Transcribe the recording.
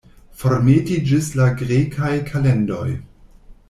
Formeti ĝis la grekaj kalendoj.